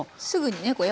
すぐにね